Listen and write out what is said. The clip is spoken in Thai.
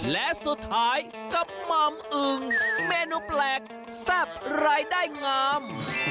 และสุดท้ายกับหม่อมอึงเมนูแปลกแซ่บรายได้งาม